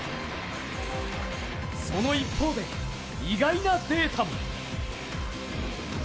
その一方で、意外なデータも。